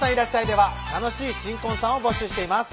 では楽しい新婚さんを募集しています